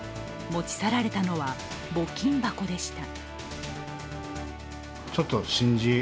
持ち去られたのは募金箱でした。